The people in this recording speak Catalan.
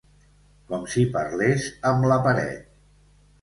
Com si parlés amb la paret.